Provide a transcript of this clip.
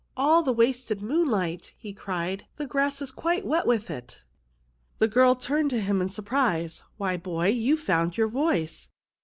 " All the wasted moonlight !" he cried ; the grass is quite wet with it." The girl turned to him in surprise. " Why, boy, you've found your voice."